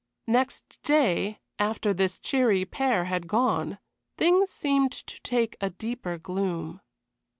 Next day, after this cheery pair had gone, things seemed to take a deeper gloom.